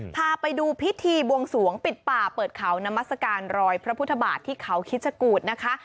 พาไปดูพิธีบวงสวงปิดป่าเปิดเขานามัศกาลรอยพระพุทธบาทที่เขาคิดชะกูธนะคะ